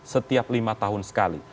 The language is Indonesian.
setiap lima tahun sekali